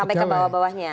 sampai ke bawah bawahnya